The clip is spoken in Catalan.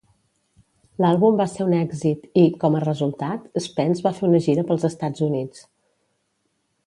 L'àlbum va ser un èxit i, com a resultat, Spence va fer una gira pels Estats Units.